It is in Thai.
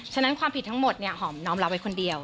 ฉะนั้นความผิดทั้งหมดหอมน้องเราไปคนเดียว